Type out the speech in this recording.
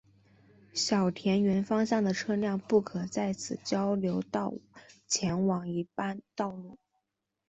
小田原方向的车辆不可在此交流道前往一般道路。